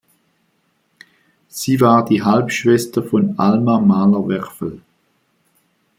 Sie war die Halbschwester von Alma Mahler-Werfel.